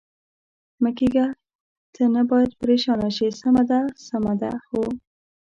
مه کېږه، ته نه باید پرېشانه شې، سمه ده، سمه ده؟ هو.